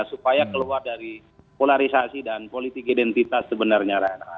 supaya keluar dari polarisasi dan politik identitas sebenarnya